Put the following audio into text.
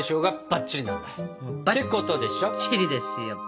バッチリですよ。